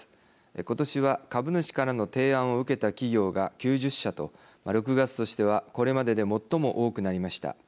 今年は株主からの提案を受けた企業が９０社と６月としてはこれまでで最も多くなりました。